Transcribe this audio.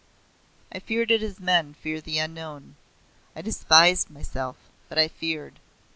I feared it as men fear the unknown. I despised myself but I feared.